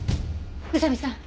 宇佐見さん